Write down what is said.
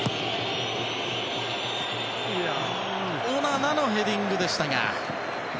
オナナのヘディングでしたが。